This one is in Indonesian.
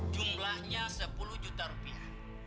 jumlahnya sepuluh juta rupiah